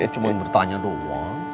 cuma bertanya doang